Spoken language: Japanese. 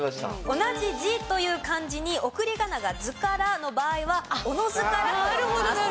同じ「自」という漢字に送り仮名が「ずから」の場合は「おのずから」と読みます。